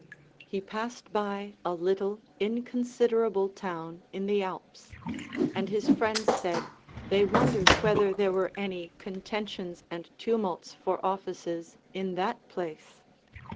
He passed by a little inconsiderable town in the Alps, and his friends said, they wondered whether there were any contentions and tumults for offices in that place.